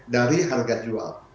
dari harga jual